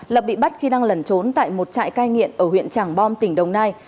lập bị bắt khi đang lẩn trốn tại một trại cai nghiện ở huyện tràng bom tỉnh đồng nai